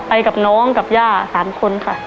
ไปกับน้องกับย่า๓คนค่ะ